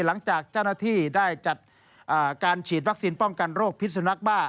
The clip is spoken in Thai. หลังจากเจ้าหน้าที่ได้จัดการฉีดวัคซีนป้องกันโรคพิษสุนักบ้า